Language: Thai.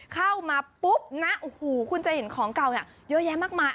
เข้ามาปุ๊บนะโอ้โหคุณจะเห็นของเก่าเนี่ยเยอะแยะมากมาย